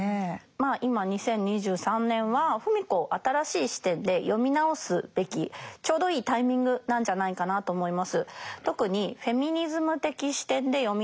まあ今２０２３年は芙美子を新しい視点で読み直すべきちょうどいいタイミングなんじゃないかなと思います。